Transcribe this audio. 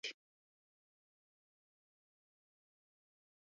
Dawes did so and earned a standing ovation from the crowd.